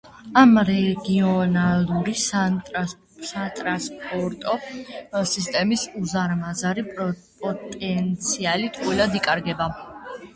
ამ რეგიონალური სატრანსპორტო სისტემის უზარმაზარი პოტენციალი ტყუილად იკარგება.